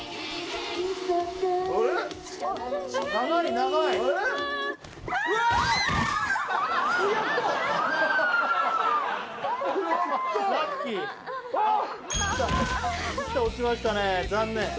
生田落ちましたね残念。